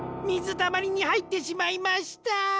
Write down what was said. たまりにはいってしまいました！